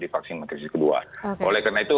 di vaksinasi kedua oleh karena itu